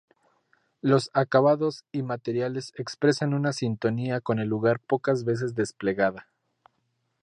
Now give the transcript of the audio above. Los acabados y materiales expresan una sintonía con el lugar pocas veces desplegada.